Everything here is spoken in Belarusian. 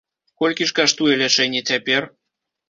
Колькі ж каштуе лячэнне цяпер?